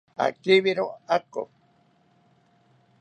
Akibiro ako